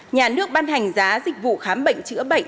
nhà nước ban hành giá dịch vụ khám bệnh chữa bệnh